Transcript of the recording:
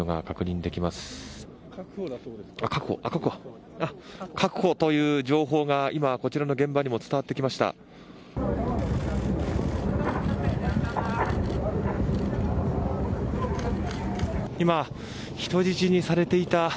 確保という情報が今、こちらの現場にも伝わってきました。